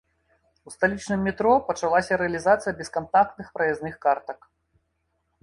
У сталічным метро пачалася рэалізацыя бескантактных праязных картак.